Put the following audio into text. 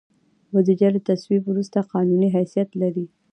بودیجه له تصویب وروسته قانوني حیثیت لري.